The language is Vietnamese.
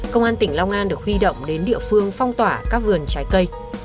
công an tỉnh long an được huy động đến địa phương phong tỏa các vườn trái cây